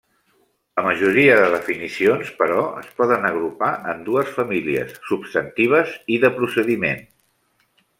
La majoria de definicions, però, es poden agrupar en dues famílies: substantives i de procediment.